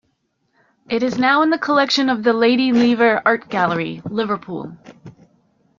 It is now in the collection of the Lady Lever Art Gallery, Liverpool.